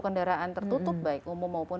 kendaraan tertutup baik umum maupun